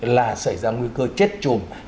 là xảy ra nguy cơ chết chùm